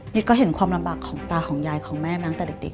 ก็เห็นความลำบากของตาของยายของแม่มาตั้งแต่เด็ก